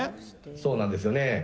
そうなんですよね。